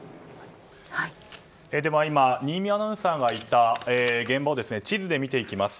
新実アナウンサーがいた現場を地図で見ていきます。